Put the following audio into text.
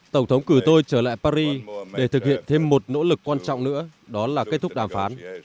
tổng thống cử tôi trở lại paris để thực hiện thêm một nỗ lực quan trọng nữa đó là kết thúc đàm phán